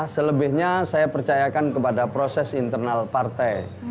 selebihnya saya percayakan kepada proses internal partai